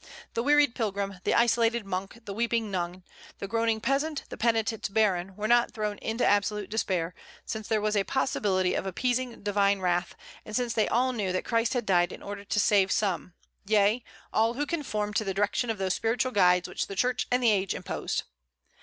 The wearied pilgrim, the isolated monk, the weeping nun, the groaning peasant, the penitent baron, were not thrown into absolute despair, since there was a possibility of appeasing divine wrath, and since they all knew that Christ had died in order to save some, yea, all who conformed to the direction of those spiritual guides which the Church and the age imposed.